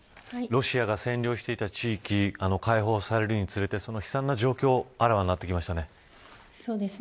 ロシアが占領していた地域解放されるにつれて、その悲惨な状況があらわになってきましたね。